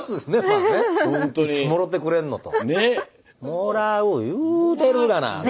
もらう言うてるがなっつって。